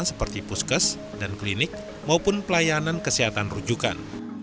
seperti puskes dan klinik maupun pelayanan kesehatan rujukan